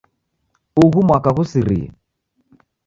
Ughu mwaka ghusirie.